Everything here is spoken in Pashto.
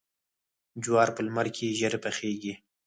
جوار په لمر کې ژر پخیږي.